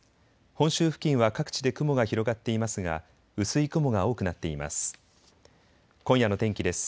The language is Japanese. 本州付近は各地で雲が広がっていますが薄い雲が多くなっています。